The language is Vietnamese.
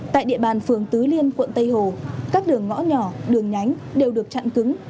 tại địa bàn phường tứ liên quận tây hồ các đường ngõ nhỏ đường nhánh đều được chặn cứng